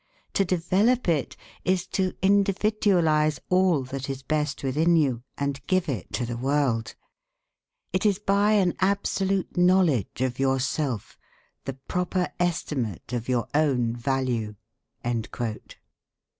To develop it is to individualize all that is best within you, and give it to the world. It is by an absolute knowledge of yourself, the proper estimate of your own value."